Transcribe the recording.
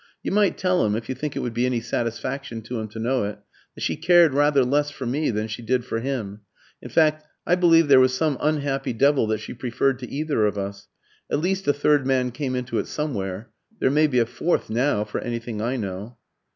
You might tell him, if you think it would be any satisfaction to him to know it, that she cared rather less for me than she did for him; in fact, I believe there was some unhappy devil that she preferred to either of us. At least a third man came into it somewhere. There may be a fourth now, for anything I know."